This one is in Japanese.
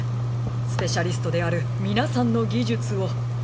スペシャリストであるみなさんのぎじゅつを。